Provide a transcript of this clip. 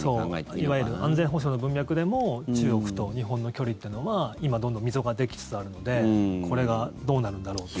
いわゆる安全保障の文脈でも中国と日本の距離は今、どんどん溝ができつつあるのでこれがどうなるんだろうという。